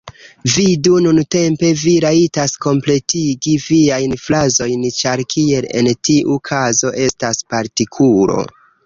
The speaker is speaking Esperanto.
Vidu, nuntempe vi rajtas kompletigi viajn frazojn, ĉar kiel en tiu kazo estas partikulo.